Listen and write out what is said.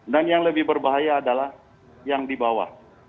dan yang lebih berbahaya adalah yang di bawah